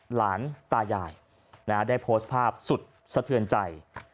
หลานตายายได้โพสต์ภาพสุดสะเทือนใจ